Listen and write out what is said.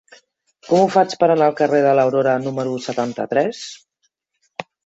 Com ho faig per anar al carrer de l'Aurora número setanta-tres?